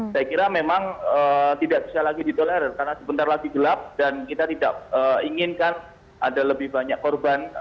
saya kira memang tidak bisa lagi ditolerir karena sebentar lagi gelap dan kita tidak inginkan ada lebih banyak korban